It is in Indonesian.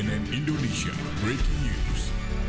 cnn indonesia breaking news